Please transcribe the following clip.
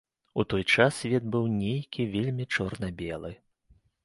У той час свет быў нейкі вельмі чорна-белы.